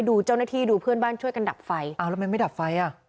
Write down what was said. ดูเจ้าหน้าที่ดูเพื่อนบ้านช่วยกันดับไฟอ้าวแล้วทำไมไม่ดับไฟอ่ะ